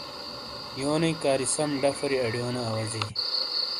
یونی کاری سم ڈفری اڈیونو اواجے